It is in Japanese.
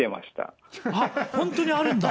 本当にあるんだ。